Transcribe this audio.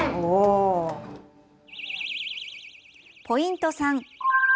ポイント